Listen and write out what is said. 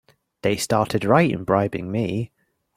They started right in bribing me!